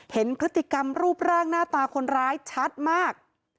เห็นพฤติกรรมรูปร่างหน้าตาคนร้ายชัดมาก